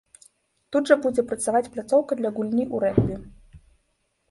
Тут жа будзе працаваць пляцоўка для гульні ў рэгбі.